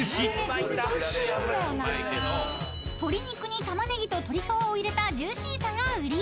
［鶏肉にタマネギと鶏皮を入れたジューシーさが売り］